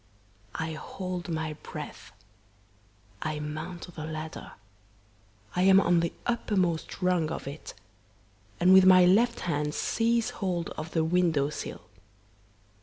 "I hold my breath. I mount the ladder. I am on the uppermost rung of it, and with my left hand seize hold of the window sill.